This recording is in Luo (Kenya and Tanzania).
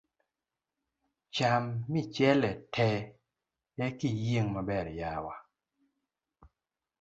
Cham Michele tee ekiyieng' maber yawa.